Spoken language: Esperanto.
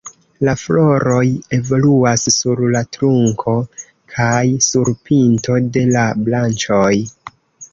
La floroj evoluas sur la trunko kaj sur pinto de la branĉoj.